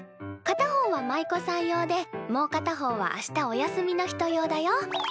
片方は舞妓さん用でもう片方はあしたお休みの人用だよ。